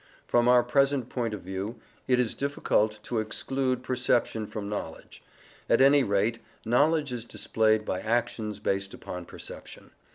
From our present point of view, it is difficult to exclude perception from knowledge; at any rate, knowledge is displayed by actions based upon perception.